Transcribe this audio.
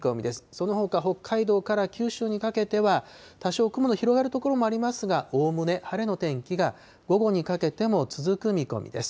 そのほか北海道から九州にかけては、多少雲の広がる所もありますが、おおむね晴れの天気が午後にかけても続く見込みです。